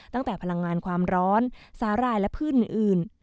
ตั้งแต่พลังงานความร้อนสาหร่ายและพืชอื่น